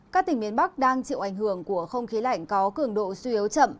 các tỉnh miền bắc đang chịu ảnh hưởng của không khí lạnh có cường độ suy yếu chậm